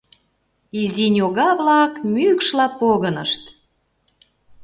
Изи ньога-влак мӱкшла погынышт.